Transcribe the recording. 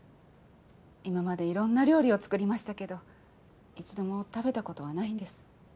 今までいろんな料理を作りましたけど１度も食べたことはないんです。